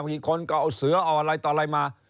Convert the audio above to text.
อีกคนก็เอาเสือเอาอะไรต่ออะไรมา